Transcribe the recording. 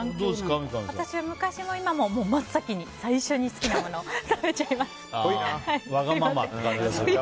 私は昔も今も真っ先に、最初に好きなものを食べちゃいます。